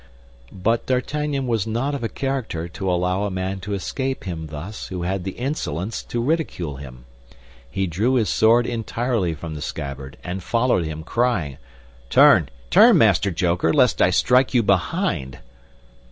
But, D'Artagnan was not of a character to allow a man to escape him thus who had the insolence to ridicule him. He drew his sword entirely from the scabbard, and followed him, crying, "Turn, turn, Master Joker, lest I strike you behind!"